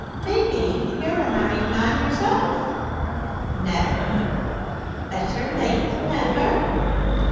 'Maybe you're a married man yourself?' 'Never.' 'Better late than never!'